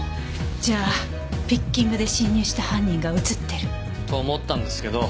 じゃあピッキングで侵入した犯人が映ってる？と思ったんですけど